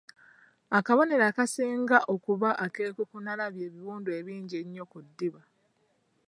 Akabonero akasinga okuba ak’enkukunala bye biwundu ebingi ennyo ku ddiba.